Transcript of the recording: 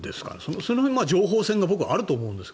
その辺の情報戦もあると思うんですが。